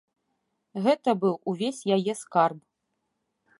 Гэта быў увесь яе скарб.